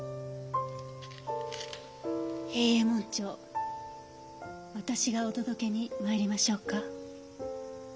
平右衛門町私がお届けにまいりましょうか？